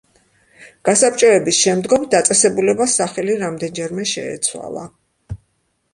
გასაბჭოების შემდგომ დაწესებულებას სახელი რამდენჯერმე შეეცვალა.